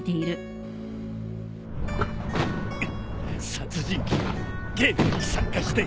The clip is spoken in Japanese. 殺人鬼がゲームに参加している。